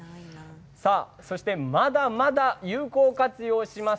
そしてまだまだ有効活用します。